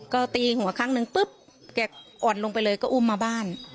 ก็ตีหัวครั้งนึงปุ๊บแกอ่อนลงไปเลยก็อุ้มมาบ้าน